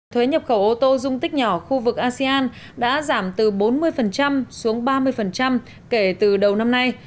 thuế nhập khẩu ô tô dung tích nhỏ khu vực asean đã giảm từ bốn mươi xuống ba mươi kể từ đầu năm nay